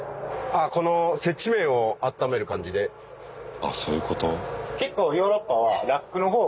あっそういうこと？